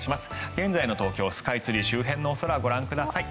現在の東京スカイツリー周辺のお空ご覧ください。